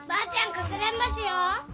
かくれんぼしよう！